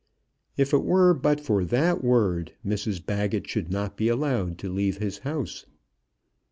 If it were but for that word, Mrs Baggett should not be allowed to leave his house.